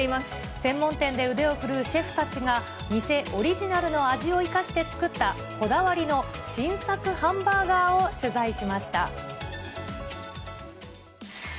専門店で腕を振るうシェフたちが、店オリジナルの味を生かして作った、こだわりの新作ハンバーガーを取材しました。